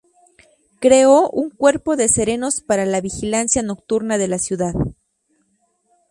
Creó un cuerpo de serenos para la vigilancia nocturna de la ciudad.